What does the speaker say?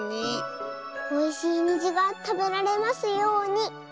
おいしいにじがたべられますように。